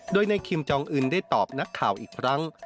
โดยนายคิมจองอื่นได้ตอบนักข่าวอีกครั้ง